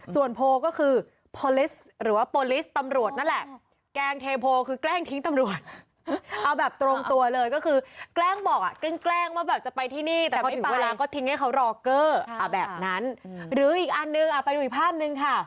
ส่วนโพก็คือพอลิสชิสินาะแหละแกงเทโพลแกล้งทิ้งชนัดฐาน